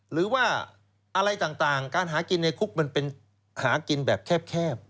หรือว่าอะไรต่างการหากินในคุกมันเป็นหากินแบบแคบ